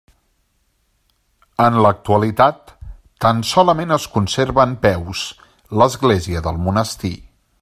En l'actualitat tan solament es conserva en peus l'església del monestir.